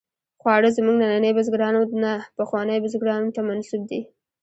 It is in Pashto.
خواړه زموږ ننني بزګرانو نه، پخوانیو بزګرانو ته منسوب دي.